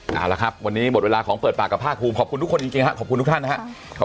เอาละครับวันนี้หมดเวลาของเปิดปากกับภาคภูมิขอบคุณทุกคนจริงครับขอบคุณทุกท่านนะครับ